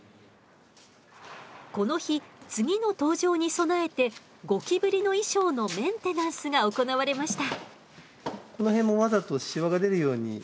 この日次の登場に備えてゴキブリの衣装のメンテナンスが行われました。